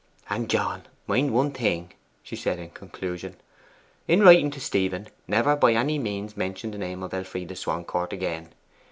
'And, John, mind one thing,' she said in conclusion. 'In writing to Stephen, never by any means mention the name of Elfride Swancourt again.